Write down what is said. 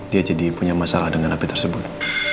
dia jadi punya masalah dengan api tersebut